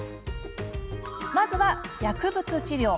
まずは、薬物治療。